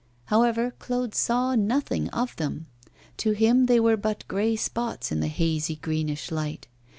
However, Claude saw nothing of them; to him they were but grey spots in the hazy, greenish light.